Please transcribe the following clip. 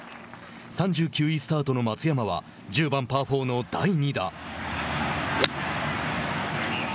３９位スタートの松山は１０番パー４の第２打。